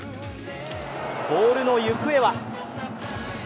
ボールの行方は？